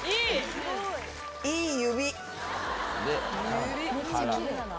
いい「指」